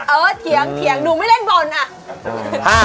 เถียงดูไม่เล่นบอลอ่ะ